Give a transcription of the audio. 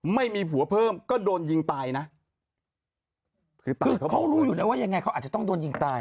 ไม่มีผัวเพิ่มก็โดนยิงตายนะคือตายคือเขารู้อยู่แล้วว่ายังไงเขาอาจจะต้องโดนยิงตาย